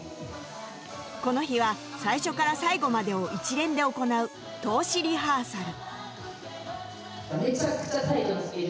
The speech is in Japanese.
この日は最初から最後までを一連で行う通しリハーサル